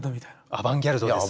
アバンギャルドですね。